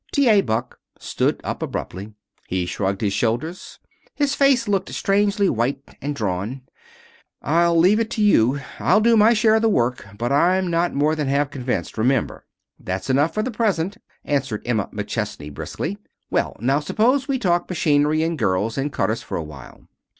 T. A. Buck stood up abruptly. He shrugged his shoulders. His face looked strangely white and drawn. "I'll leave it to you. I'll do my share of the work. But I'm not more than half convinced, remember." "That's enough for the present," answered Emma McChesney, briskly. "Well, now, suppose we talk machinery and girls, and cutters for a while."